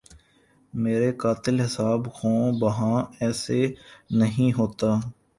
مرے قاتل حساب خوں بہا ایسے نہیں ہوتا